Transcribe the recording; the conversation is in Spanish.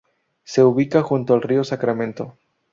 Se ubica junto al río Sacramento.